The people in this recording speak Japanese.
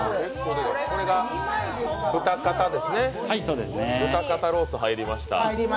これが豚肩ですね、豚肩ロース入りました。